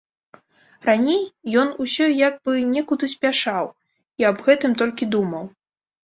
Раней ён усё як бы некуды спяшаў і аб гэтым толькі думаў.